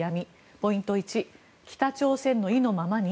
ポイント１北朝鮮の意のままに？